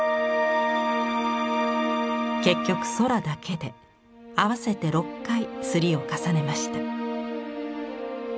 結局空だけで合わせて６回摺りを重ねました。